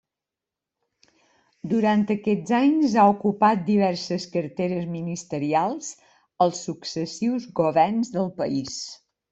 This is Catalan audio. Durant aquests anys, ha ocupat diverses carteres ministerials als successius governs del país.